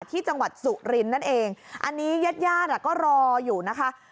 ที่จังหวัดสุรินทร์นั่นเองอันนี้ญาติญาติก็รออยู่นะคะ